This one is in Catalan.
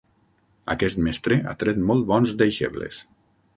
Aquest mestre ha tret molt bons deixebles.